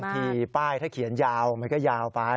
ไม่บางทีป้ายถ้าเขียนยาวไหมก็ยาวไป